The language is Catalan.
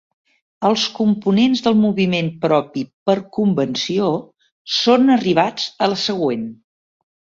Els components del moviment propi per Convenció són arribats a la següent.